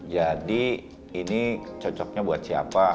jadi ini cocoknya buat siapa